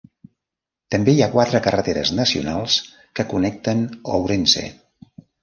També hi ha quatre carreteres nacionals que connecten Ourense.